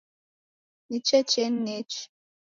Ni checheni nechi